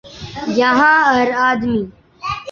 یہاں ہر آدمی